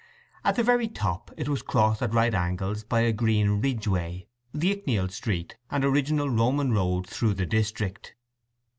At the very top it was crossed at right angles by a green "ridgeway"—the Ickneild Street and original Roman road through the district.